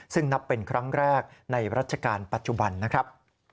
ซึ่งนับเป็นครั้งแรกในรัชกาลปัจจุบันนะครับ